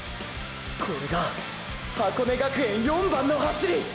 これが箱根学園「４番」の走り！！